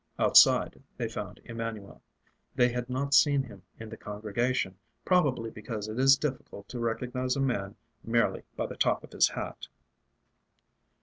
Outside they found Emanuel. They had not seen him in the congregation, probably because it is difficult to recognize a man merely by the top of his hat.